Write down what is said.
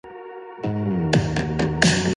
He was subsequently released from the promotion.